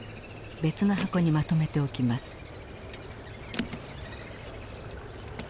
別の箱にまとめておきます。